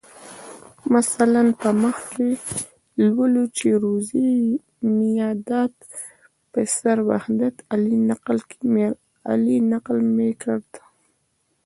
مثلاً په مخ کې لولو چې روزي میاداد پسر وحدت علي نقل میکرد.